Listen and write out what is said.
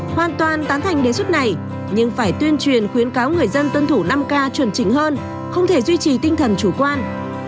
hoàn toàn tán thành đề xuất này nhưng phải tuyên truyền khuyến cáo người dân tuân thủ năm k chuẩn chỉnh hơn không thể duy trì tinh thần chủ quan